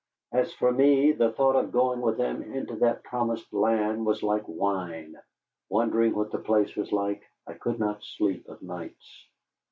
As for me, the thought of going with them into that promised land was like wine. Wondering what the place was like, I could not sleep of nights.